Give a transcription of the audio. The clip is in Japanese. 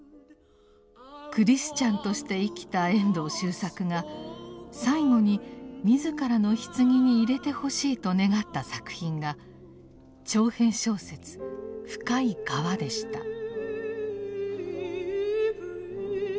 クリスチャンとして生きた遠藤周作が最後に自らのひつぎに入れてほしいと願った作品が長編小説「深い河」でした。